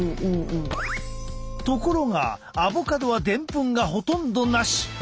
ところがアボカドはでんぷんがほとんどなし！